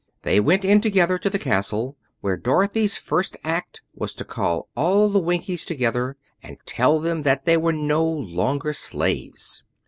They went in together to the castle, where Dorothy's first act was to call all the Winkies together and tell them that they were no longer slaves.